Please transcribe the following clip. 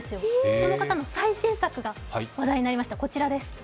その方の最新作が話題になりました。